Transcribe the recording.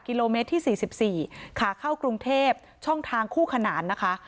กิโลเมตรที่๔๔ขาเข้ากรุงเทพช่องทางคู่ขนานนะคะ